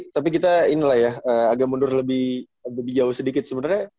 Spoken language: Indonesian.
tapi kita inilah ya agak mundur lebih jauh sedikit sebenarnya